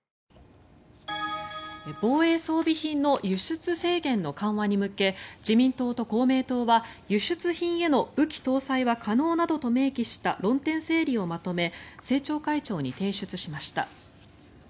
防衛装備品の輸出制限の緩和に向け自民党と公明党は輸出品への武器搭載は可能などと明記した論点整理をまとめ政調会長に提出しました。